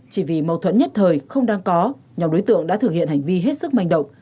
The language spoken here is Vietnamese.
chỉ vì mâu thuẫn nhất thời không đang có nhóm đối tượng đã thực hiện hành vi hết sức manh động